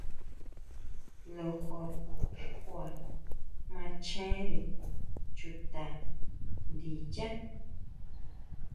Lojo xkua machere chuta ndiyá.